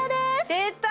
出た！